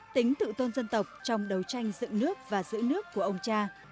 tính tự tôn dân tộc trong đấu tranh dựng nước và giữ nước của ông cha